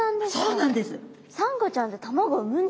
そうなんです。